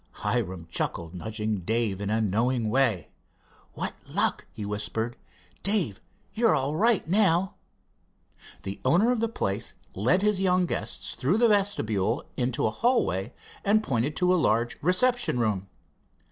Hiram chuckled, nudging Dave in a knowing way. "What luck!" he whispered. "Dave, you're all right now." The owner of the place led his young guests through the vestibule into a hallway, and pointed to a large reception room.